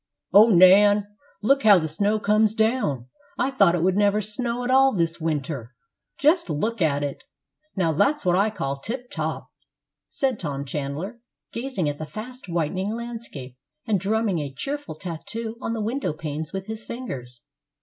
"Oh, Nan, look how the snow comes down! I thought it would never snow at all this winter. Just look at it! Now that's what I call tip top," said Tom Chandler, gazing at the fast whitening landscape, and drumming a cheerful tattoo on the window panes with his fingers.